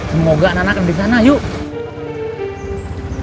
semoga anak anaknya di sana yuk